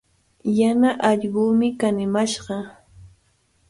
Yana allqumi kanimashqa.